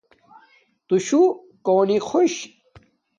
تُشُو کݸنݵ خݸش؟